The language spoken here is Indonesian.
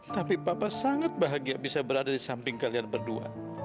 tapi papa sangat bahagia bisa berada di samping kalian berdua